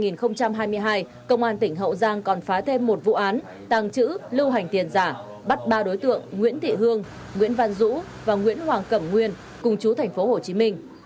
năm hai nghìn hai mươi hai công an tỉnh hậu giang còn phá thêm một vụ án tàng trữ lưu hành tiền giả bắt ba đối tượng nguyễn thị hương nguyễn văn dũ và nguyễn hoàng cẩm nguyên cùng chú thành phố hồ chí minh